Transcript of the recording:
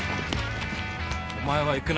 お前は行くな。